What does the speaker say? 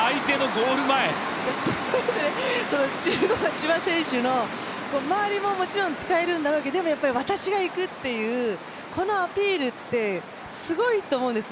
千葉選手の、周りももちろん使えるんだろうけれども、でもやっぱり私がいくっていう、このアピールってすごいと思うんです。